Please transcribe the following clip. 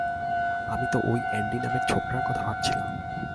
আমি তো ঐ অ্যান্ডি নামের ছোকরার কথা ভাবছিলাম।